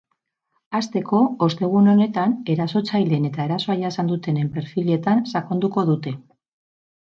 Hasteko, ostegun honetan, erasotzaileen eta erasoa jasan dutenen perfiletan sakonduko dute.